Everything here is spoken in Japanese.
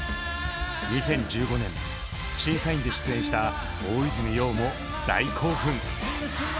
２０１５年審査員で出演した大泉洋も大興奮！